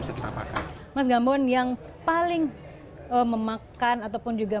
beberapa narasumber yang diundang juga